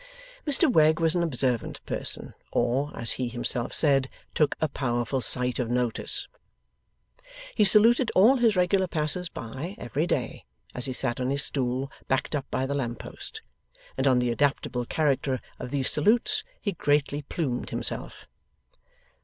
Mr Wegg was an observant person, or, as he himself said, 'took a powerful sight of notice'. He saluted all his regular passers by every day, as he sat on his stool backed up by the lamp post; and on the adaptable character of these salutes he greatly plumed himself.